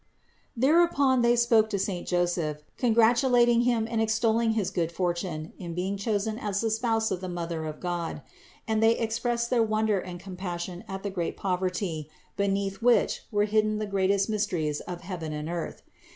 Thereupon they spoke to saint Joseph, congratulating him and extolling his good fortune in being chosen as the spouse of the Mother of God; and they expressed wonder and com passion at the great poverty, beneath which were hidden the greatest mysteries of heaven and earth.